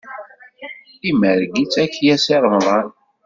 Imerreg-itt akya Si Remḍan.